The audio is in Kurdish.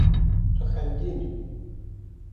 Tu xemgîn î.